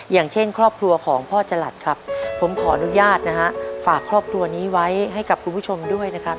อย่างเช่นครอบครัวของพ่อจรัสครับผมขออนุญาตนะฮะฝากครอบครัวนี้ไว้ให้กับคุณผู้ชมด้วยนะครับ